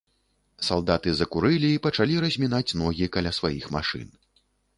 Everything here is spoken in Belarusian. Салдаты закурылі і пачалі размінаць ногі каля сваіх машын.